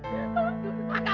ya allah bapak